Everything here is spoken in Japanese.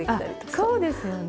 あそうですよね。